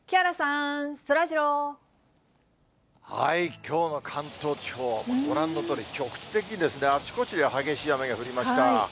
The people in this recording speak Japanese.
きょうの関東地方、ご覧のとおり、局地的にあちこちで激しい雨が降りました。